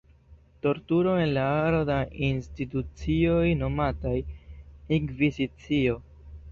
Torturo en la aro da institucioj nomataj “Inkvizicio”.